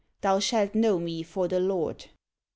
Thou shalt know Me for the Lord. 42.